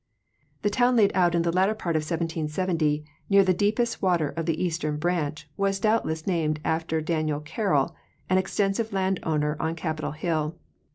The town laid out in the latter part of 1770, near the deepest water of the Eastern branch, was doubtless named after Daniel Carroll, an extensive land owner on Capitol hill.